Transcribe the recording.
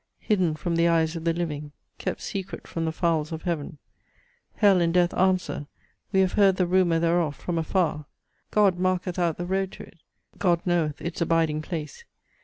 Hidden from the eyes of the living Kept secret from the fowls of heaven! Hell and death answer; We have heard the rumour thereof from afar! GOD marketh out the road to it; GOD knoweth its abiding place!